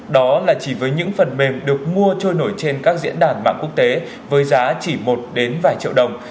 đó là chỉ với những phần mềm được mua trôi nổi trên các diễn đàn mạng quốc tế với giá chỉ một đến vài triệu đồng